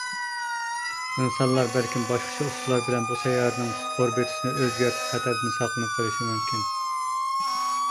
ئىنسانلار بەلكىم باشقىچە ئۇسۇللار بىلەن بۇ سەييارىنىڭ ئوربىتىسىنى ئۆزگەرتىپ خەتەردىن ساقلىنىپ قېلىشىمۇ مۇمكىن.